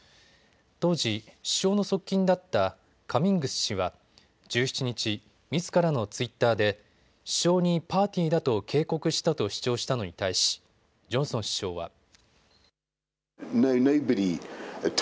当時、首相の側近だったカミングス氏は１７日、みずからのツイッターで首相にパーティーだと警告したと主張したのに対しジョンソン首相は。